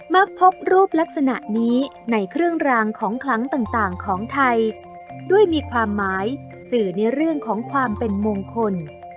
มักพบรูปลักษณะนี้ในเครื่องรางของคลังต่างของไทยด้วยมีความหมายสื่อในเรื่องของความเป็นมงคล